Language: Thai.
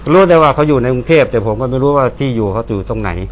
รู้ได้ว่าเขาอยู่ในกรุงเทพแต่ผมก็ไม่รู้ว่าที่อยู่เขาอยู่ตรงไหน